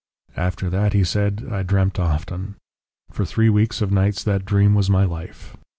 "After that," he said, "I dreamt often. For three weeks of nights that dream was my life.